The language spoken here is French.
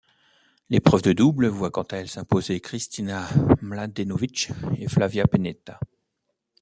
L'épreuve de double voit quant à elle s'imposer Kristina Mladenovic et Flavia Pennetta.